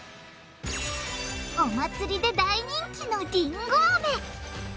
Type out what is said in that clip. お祭りで大人気のりんごアメ。